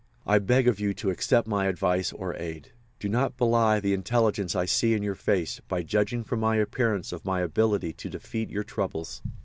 I beg of you to accept my advice or aid. Do not belie the intelligence I see in your face by judging from my appearance of my ability to defeat your troubles."